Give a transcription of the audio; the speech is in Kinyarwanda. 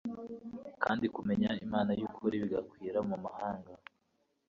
kandi kumenya Imana y'ukuri bigakwira mu mahanga.